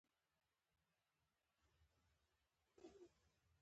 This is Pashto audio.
په افغانستان کي عدالت شتون نلري.